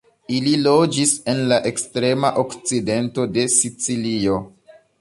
Ili loĝis en la ekstrema okcidento de Sicilio.